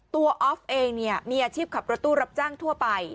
ออฟเองเนี่ยมีอาชีพขับรถตู้รับจ้างทั่วไป